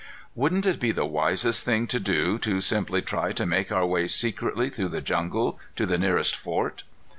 "Wouldn't it be the wisest thing to do, to simply try to make our way secretly through the jungle to the nearest fort?"